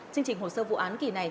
chương trình hồ sơ vụ án kỳ này